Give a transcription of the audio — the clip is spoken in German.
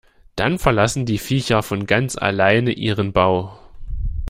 Dann verlassen die Viecher von ganz alleine ihren Bau.